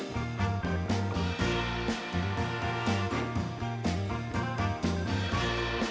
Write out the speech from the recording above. โปรดติดตามตอนต่อไป